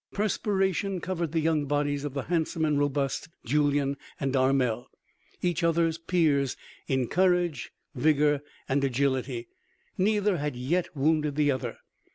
Perspiration covered the young bodies of the handsome and robust Julyan and Armel. Each other's peers in courage, vigor and agility, neither had yet wounded the other.